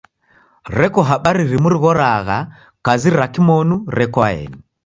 Reko habari rimu righoragha kazi ra kimonu rekoaeni.